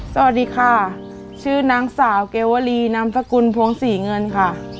สวัสดีค่ะชื่อนางสาวเกวรีนามสกุลพวงศรีเงินค่ะ